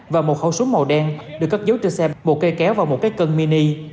và một hậu súng màu đen được cắt dấu trên xe bộ cây kéo vào một cái cân mini